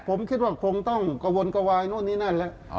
ผมคิดว่าคงต้องกะวนกะวายนึกนี้นั่นละ